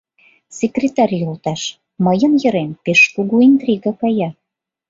Секретарь йолташ, мыйын йырем пеш кугу интрига кая.